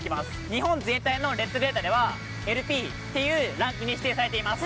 日本全体のレッドデータでは「ＬＰ」っていうランクに指定されています。